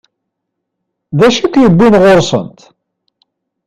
D acu i k-yewwin ɣur-sent?